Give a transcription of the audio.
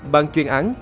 bàn chuyên án